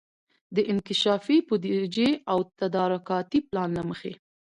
د انکشافي بودیجې او تدارکاتي پلان له مخي